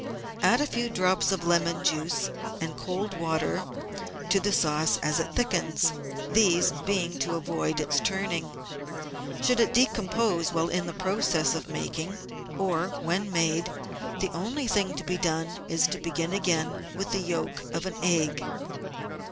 Add a few drops of lemon juice and cold water to the sauce as it thickens, these being to avoid its turning. Should it decompose while in the process of making or when made, the only thing to be done is to begin it again with the yolk of an egg.